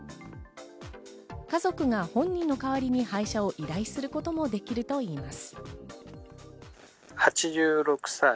家族が本人の代わりに配車を依頼することもできるといいます。